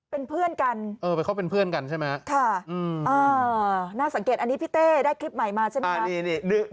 เป็นเพื่อนกันค่ะน่าสังเกตอันนี้พี่เต้ได้คลิปใหม่มาใช่ไหมครับ